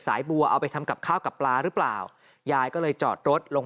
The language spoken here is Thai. บัวเอาไปทำกับข้าวกับปลาหรือเปล่ายายก็เลยจอดรถลง